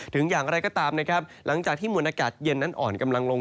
ถึงอย่างอะไรก็ตามหลังจากที่มูลอากาศเย็นนั้นอ่อนกำลังลง